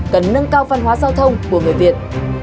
cần nâng cao văn hóa giao thông của người việt